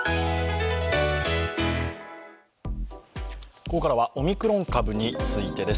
ここからはオミクロン株についてです。